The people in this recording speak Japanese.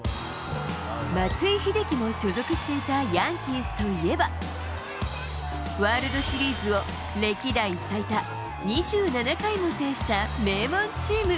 松井秀喜も所属していたヤンキースといえば、ワールドシリーズを、歴代最多２７回も制した名門チーム。